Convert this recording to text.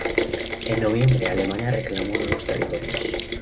En noviembre, Alemania reclamó nuevos territorios.